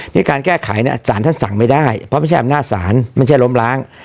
ในการแก้ไขเนี่ยสารท่านสั่งไม่ได้เพราะไม่ใช่อำนาจศาลไม่ใช่ล้มล้าง